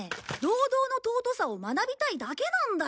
労働の尊さを学びたいだけなんだよ。